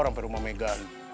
rampai rumah mega